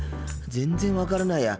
全然分からないや。